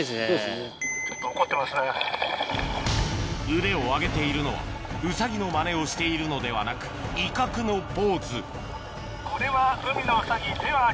腕を上げているのはウサギのマネをしているのではなく威嚇のポーズこれは。